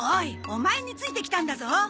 オマエについてきたんだぞ。